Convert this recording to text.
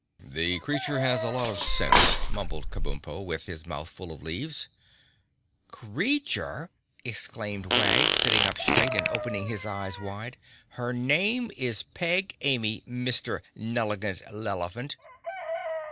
"The creature has a lot of sense," mumbled Kabumpo, with his mouth full of leaves. "Creature!" exclaimed Wag, sitting up straight and opening his eyes wide. "Her name is Peg Amy, Mr. Nelegant Lelephant."